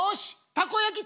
たこ焼きね。